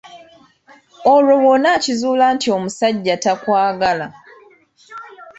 Olwo bw'onakizuula nti omusajja takwagala?